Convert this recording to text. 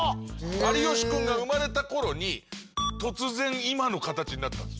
有吉くんが生まれた頃に突然今の形になったんです。